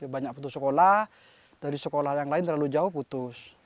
banyak putus sekolah dari sekolah yang lain terlalu jauh putus